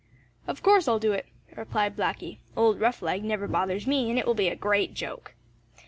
"Of course I'll do it," replied Blacky. "Old Roughleg never bothers me, and it will be a great joke."